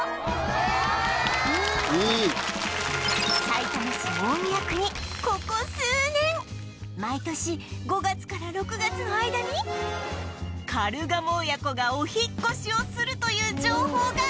さいたま市大宮区にここ数年毎年５月から６月の間にカルガモ親子がお引っ越しをするという情報が！